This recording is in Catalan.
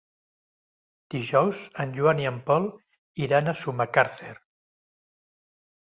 Dijous en Joan i en Pol iran a Sumacàrcer.